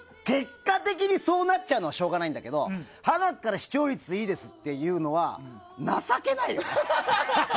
結果的にそうなっちゃうのはしょうがないんだけど、はなっから視聴率いいですっていうのは、情けないよね。